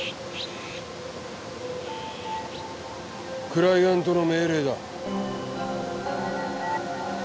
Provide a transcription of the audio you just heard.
クライアントの命令だ。